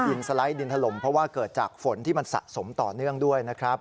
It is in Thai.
ดินสไลด์ดินถล่มเพราะว่าเกิดจากฝนที่มันสะสมต่อเนื่องด้วยนะครับ